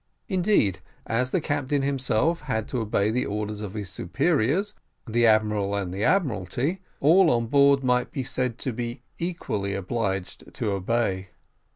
Indeed, as the captain himself had to obey the orders of his superiors, the admiral and the admiralty, all on board might be said to be equally obliged to obey.